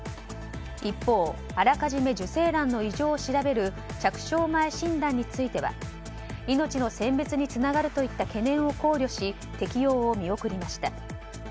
一方、あらかじめ受精卵の異常を調べる着床前診断については命の選別につながるといった懸念を考慮し適用を見送りました。